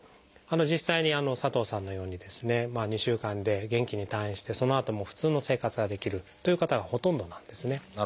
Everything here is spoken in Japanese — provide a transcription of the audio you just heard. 実際に佐藤さんのようにですね２週間で元気に退院してそのあとも普通の生活ができるという方がほとんどなんですね。